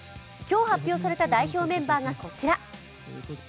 今日発表された代表メンバーがこちら。